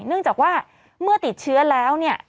เนื่องจากว่าเมื่อติดเชื้อแล้วเนี่ย